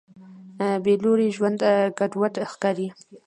بېلوري ژوند ګډوډ ښکاري.